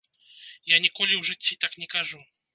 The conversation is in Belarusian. Я ніколі ў жыцці так не кажу.